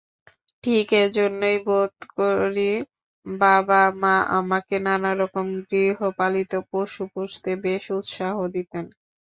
ঠিক এইজন্যেই বোধ করি, বাবা-মা আমাকে নানারকম গৃহপালিত পশু পুষতে বেশ উৎসাহ দিতেন।